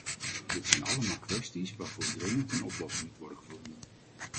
Dit zijn allemaal kwesties waarvoor dringend een oplossing moet worden gevonden.